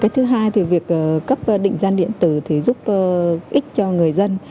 thứ hai thì việc cấp định danh điện tử giúp ích cho người dân